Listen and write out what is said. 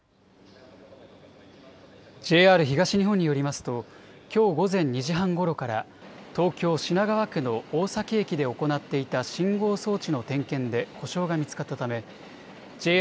ＪＲ東日本によりますときょう午前２時半ごろから東京品川区の大崎駅で行っていた信号装置の点検で故障が見つかったためＪＲ